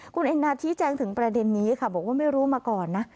คุณแอนนาชี้แจงถึงประเด็นนี้ค่ะบอกว่าไม่รู้มาก่อนนะ